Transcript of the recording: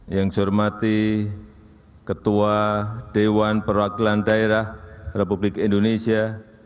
yang saya hormati ketua dewan perwakilan daerah republik indonesia